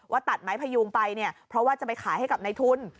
ตัดไม้พยูงไปเนี่ยเพราะว่าจะไปขายให้กับในทุน